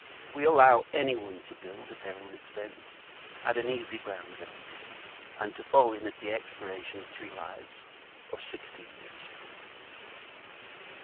We allow any one to build at their own expence at an easy ground rent, and to fall in at the expiration of three lives, or sixty years.